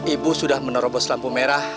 ibu sudah menerobos lampu merah